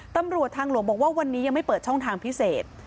ตำรวจทางหลวงบอกว่าวันนี้ยังไม่เปิดช่องทางพิเศษ